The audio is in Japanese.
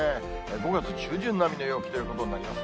５月中旬並みの陽気ということになります。